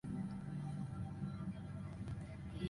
Debido a esto Trunks no logró vencer a Cell.